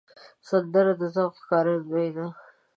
سندره د ذوق ښکارندوی ده